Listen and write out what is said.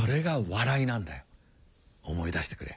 思い出してくれ。